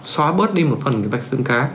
xóa bớt đi một phần vạch xương cá